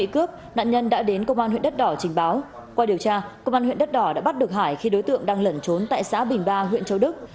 công an huyện đất đỏ đã bắt được hải khi đối tượng đang lẩn trốn tại xã bình ba huyện châu đức